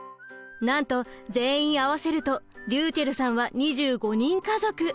なんと全員合わせるとりゅうちぇるさんは２５人家族。